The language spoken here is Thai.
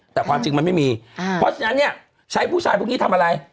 แต่ความจริงมันไม่มีเพราะฉะนั้นเนี่ยใช้ผู้ชายพวกนี้ทำอะไร